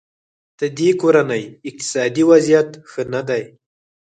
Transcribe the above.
ددې کورنۍ اقتصادي وضیعت ښه نه دی.